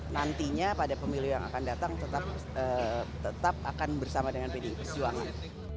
nantinya pada pemilu yang akan datang tetap akan bersama dengan pdi perjuangan